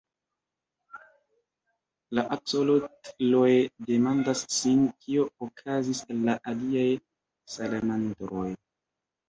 La aksolotloj demandas sin kio okazis al la aliaj salamandroj.